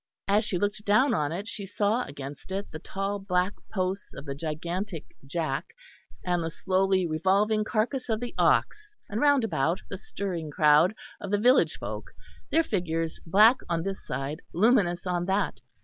As she looked down on it she saw against it the tall black posts of the gigantic jack and the slowly revolving carcass of the ox; and round about the stirring crowd of the village folk, their figures black on this side, luminous on that.